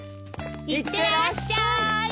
いってらっしゃい。